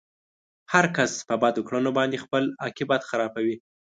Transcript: هر کس په بدو کړنو باندې خپل عاقبت خرابوي.